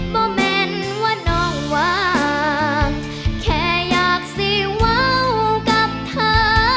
บ่เหม็นว่าน้องว่างแค่อยากสิว้าวกับเธอ